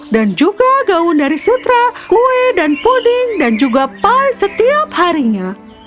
dan juga gaun dari sutra kue dan puding dan juga pie setiap harinya